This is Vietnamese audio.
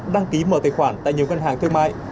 đăng ký mở tài khoản tại nhiều ngân hàng thương mại